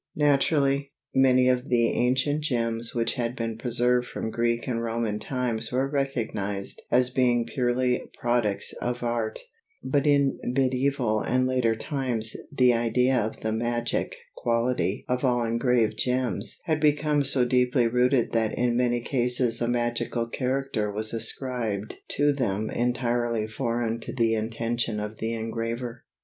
Naturally, many of the ancient gems which had been preserved from Greek and Roman times were recognized as being purely products of art, but in medieval and later times the idea of the magic quality of all engraved gems had become so deeply rooted that in many cases a magical character was ascribed to them entirely foreign to the intention of the engraver.